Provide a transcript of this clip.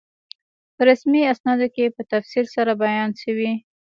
په رسمي اسنادو کې په تفصیل سره بیان شوی.